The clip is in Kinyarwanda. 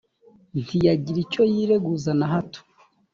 nntiyagira icyo yireguza na hato